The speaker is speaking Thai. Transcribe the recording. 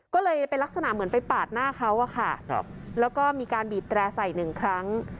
ก็เลยเป็นลักษณะเหมือนไปปาดหน้าเขาอะค่ะแล้วก็มีการบีบแตร่ใส่หนึ่งครั้ง